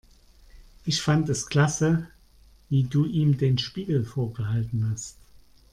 Ich fand es klasse, wie du ihm den Spiegel vorgehalten hast.